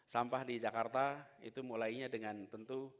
sampah di jakarta itu mulainya dengan tentu